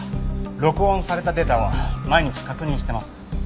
録音されたデータは毎日確認してます。